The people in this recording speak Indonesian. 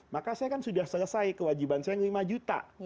maka saya kan sudah selesai kewajiban saya lima juta